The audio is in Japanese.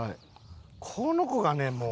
この子がねもう。